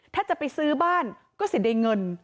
ถ้าจะไปซื้อบ้านก็เสร็จได้เงิน